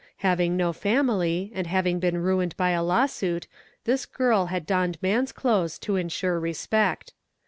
Having no family, and having been ruined by a law suit, this girl had donned man's clothes to insure respect.